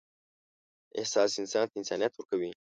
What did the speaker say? احساس انسان ته انسانیت ورکوي.